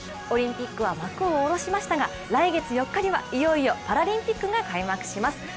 オリンピックは幕を下ろしましたが来月４日にはいよいよパラリンピックが開幕します。